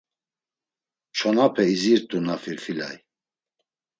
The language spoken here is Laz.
Çonape izirt̆u na firfilay.